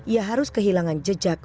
ia harus kehilangan jejak